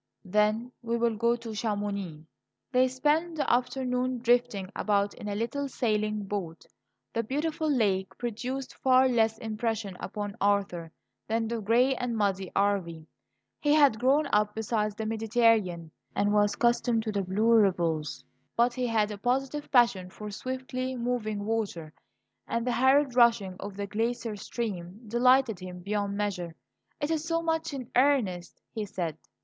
"Then we will go to Chamonix." They spent the afternoon drifting about in a little sailing boat. The beautiful lake produced far less impression upon Arthur than the gray and muddy Arve. He had grown up beside the Mediterranean, and was accustomed to blue ripples; but he had a positive passion for swiftly moving water, and the hurried rushing of the glacier stream delighted him beyond measure. "It is so much in earnest," he said.